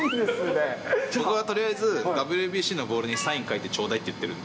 僕はとりあえず、ＷＢＣのボールにサイン書いて頂戴って言ってるんで。